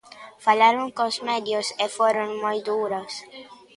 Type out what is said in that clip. Falaron cos medios, e foron moi duros.